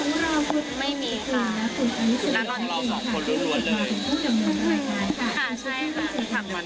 ทั้งหนึ่งครับค่ะใช่ครับ